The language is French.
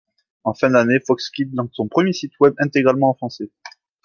En fin d'année, Fox Kids lance son premier site web intégralement en français.